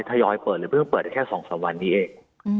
ถ้าย้อยเปิดเลยเพิ่งเปิดแค่สองสามวันนี้เอง